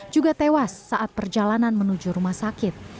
juga tewas saat perjalanan menuju rumah sakit